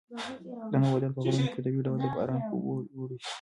دا نباتات په غرونو کې په طبیعي ډول د باران په اوبو لوی شوي.